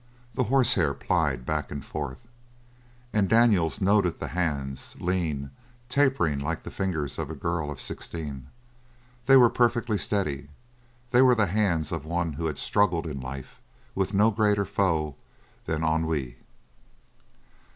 The horsehair plied back and forth. And Daniels noted the hands, lean, tapering like the fingers of a girl of sixteen. They were perfectly steady; they were the hands of one who had struggled, in life, with no greater foe than ennui.